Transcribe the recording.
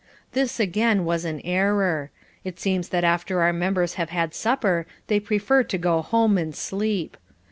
This again was an error. It seems that after our members have had supper they prefer to go home and sleep.